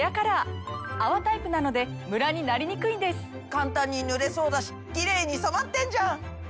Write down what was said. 簡単に塗れそうだしキレイに染まってんじゃん！ねぇ